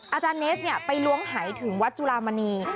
อาจารย์เนสไปล้วงหายถึงวัดจุลามณี